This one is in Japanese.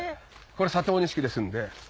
これ佐藤錦ですんで。